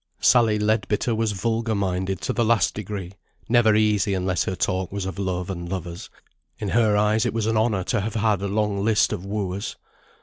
Sally Leadbitter was vulgar minded to the last degree; never easy unless her talk was of love and lovers; in her eyes it was an honour to have had a long list of wooers.